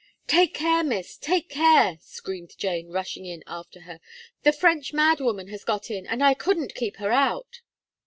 "Take care, Miss, take care," screamed Jane, rushing up after her, "the French madwoman has got in, and I couldn't keep her out."